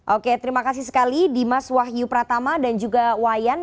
oke terima kasih sekali dimas wahyu pratama dan juga wayan